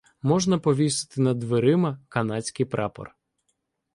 Можна повісити над дверима канадський прапор